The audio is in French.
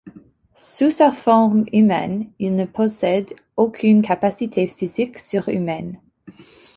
Sous sa forme humaine, il ne possède aucune capacité physique surhumaine.